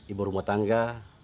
ibu rumah tangga